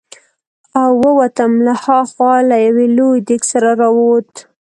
او ووتم، له ها خوا له یو لوی دېګ سره را ووت.